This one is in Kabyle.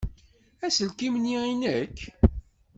Aselkim-nni i nekk?